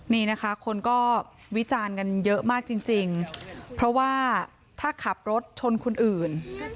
นี่นะคะคนก็วิจารณ์กันเยอะมากจริงเพราะว่าถ้าขับรถชนคนอื่น